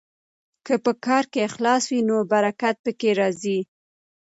که په کار کې اخلاص وي نو برکت پکې راځي.